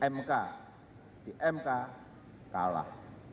mk di mk kalah